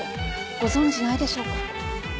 ご存じないでしょうか？